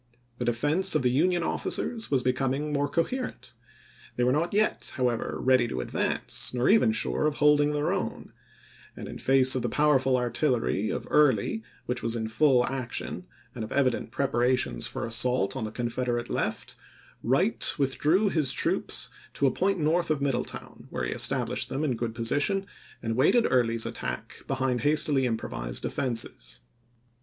The defense of the Union officers was becoming more coherent. They were not yet, however, ready to advance, nor even sure of hold ing their own ; and in face of the powerful artillery of Early which was in full action, and of evident preparations for assault on the Confederate left, Wright withdrew his troops to a point north of Middletown, where he established them in a good position and awaited Early's attack behind hastily improvised defenses.